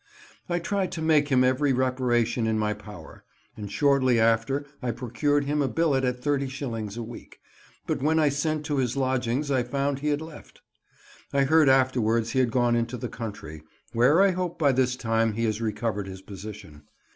I tried to make him every reparation in my power, and shortly after I procured him a billet at thirty shillings a week, but when I sent to his lodgings I found he had left. I heard afterwards he had gone into the country, where I hope by this time he has recovered his position.